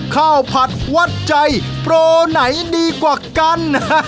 ข้าวผัดวัดใจโปรไหนดีกว่ากัน